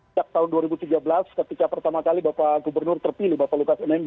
sejak tahun dua ribu tiga belas ketika pertama kali bapak gubernur terpilih bapak lukas nmb